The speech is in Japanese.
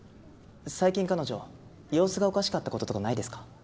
最近彼女様子がおかしかった事とかないですか？